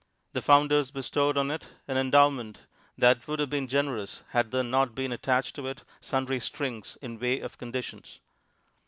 The founders bestowed on it an endowment that would have been generous had there not been attached to it sundry strings in way of conditions.